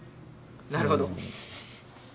なるほど。